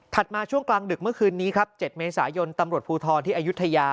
มาช่วงกลางดึกเมื่อคืนนี้ครับ๗เมษายนตำรวจภูทรที่อายุทยา